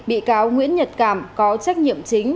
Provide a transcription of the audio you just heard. bị cáo nguyễn nhật cảm có trách nhiệm chính